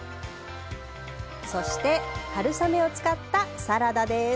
そして春雨を使ったサラダです。